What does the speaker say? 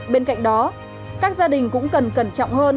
bên cạnh đó các gia đình cũng cần cẩn trọng hơn